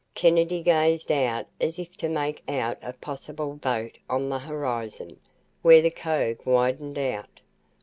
Kennedy gazed out as if to make out a possible boat on the horizon, where the cove widened out.